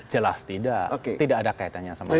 jelas tidak tidak ada kaitannya sama